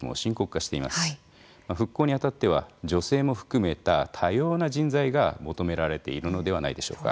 復興に当たっては女性も含めた多様な人材が求められているのではないでしょうか。